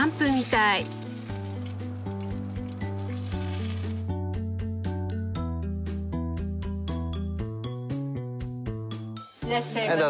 いらっしゃいませ。